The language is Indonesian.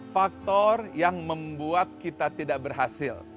faktor yang membuat kita tidak berhasil